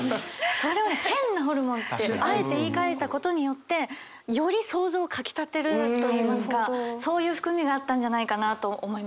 それを「変なホルモン」ってあえて言いかえたことによってより想像をかきたてると言いますかそういう含みがあったんじゃないかなと思いました。